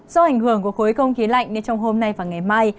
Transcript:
do ảnh hưởng của khối không khí lạnh nên trong hôm nay và ngày mai